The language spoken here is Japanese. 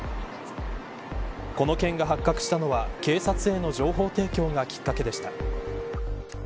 この件が発覚したのは警察への情報提供がきっかけでした。